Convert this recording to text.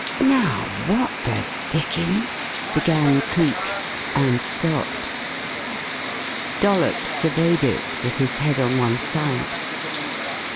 "Now, what the dickens...?" began Cleek, and stopped. Dollops surveyed it with his head on one side.